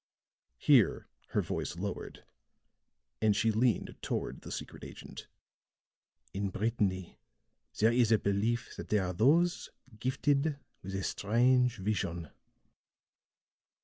Here her voice lowered and she leaned toward the secret agent. "In Brittany there is a belief that there are those gifted with a strange vision.